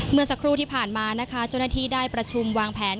เมื่อสักครู่ที่ผ่านมานะคะเจ้าหน้าที่ได้ประชุมวางแผน